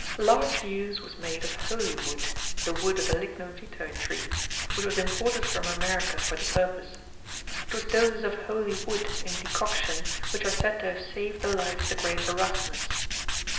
Large use was made of holy wood (the wood of the lignum vitæ tree), which was imported from America for the purpose. It was doses of holy wood, in decoction, which are said to have saved the life of the great Erasmus.